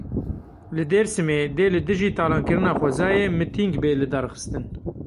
Li Dêrsimê dê li dijî talankirina xwezayê mitîng bê lidarxistin.